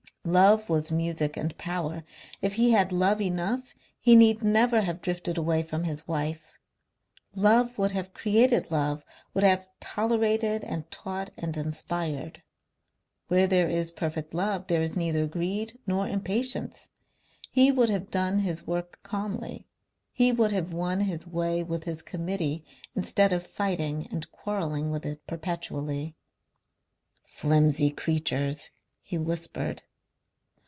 Love was music and power. If he had loved enough he need never have drifted away from his wife. Love would have created love, would have tolerated and taught and inspired. Where there is perfect love there is neither greed nor impatience. He would have done his work calmly. He would have won his way with his Committee instead of fighting and quarrelling with it perpetually.... "Flimsy creatures," he whispered.